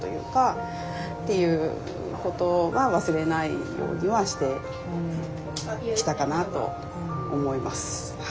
っていうことは忘れないようにはしてきたかなと思います。